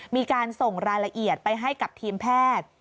มีการส่งรายละเอียดไปให้กับทีมแพทย์